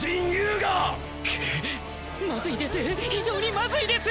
まずいです